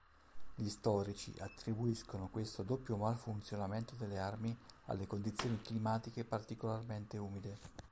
Gli storici attribuiscono questo doppio malfunzionamento delle armi alle condizioni climatiche particolarmente umide.